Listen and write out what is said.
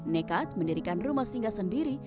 nekat mendirikan rumah singgah sendiri